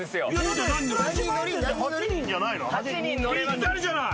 ぴったりじゃない！